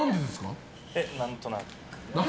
何となく。